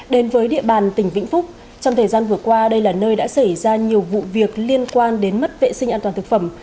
đến với địa bàn tỉnh vĩnh phúc trong thời gian vừa qua đây là nơi đã xảy ra nhiều vụ việc liên quan đến mất vệ sinh an toàn thực phẩm